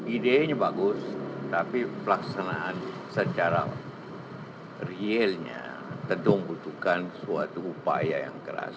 idenya bagus tapi pelaksanaan secara realnya tentu membutuhkan suatu upaya yang keras